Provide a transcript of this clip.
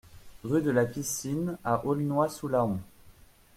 Rue de la Piscine à Aulnois-sous-Laon